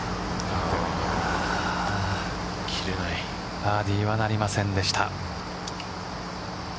バーディーはなりませんでした。